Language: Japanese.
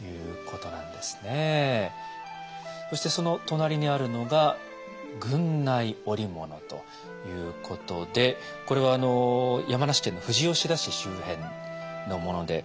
そしてその隣にあるのが郡内織物ということでこれは山梨県の富士吉田市周辺のもので。